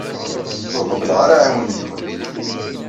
Ur qebbleɣ ara aɛiwen-nkent.